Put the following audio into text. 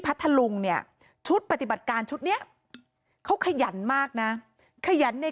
พัทธลุงเนี่ยชุดปฏิบัติการชุดเนี้ยเขาขยันมากนะขยันใน